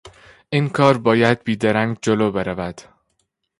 این کار باید بیدرنگ جلو برود.